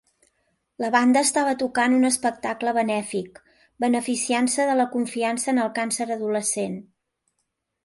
La banda estava tocant un espectacle benèfic, beneficiant-se de la confiança en el càncer adolescent.